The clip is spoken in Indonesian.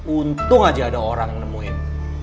untung aja ada orang nemuin